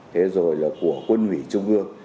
thế rồi là của quân ủy trung ương